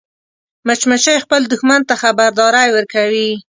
مچمچۍ خپل دښمن ته خبرداری ورکوي